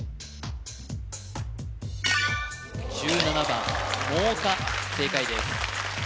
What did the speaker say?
１７番もおか正解です